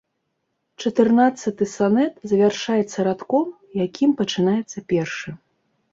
Чатырнаццаты санет завяршаецца радком, якім пачынаецца першы.